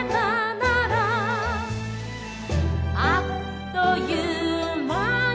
「あっという間に」